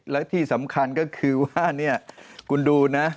และที่สำคัญก็คือว่าเนี่ยคุณดูนะ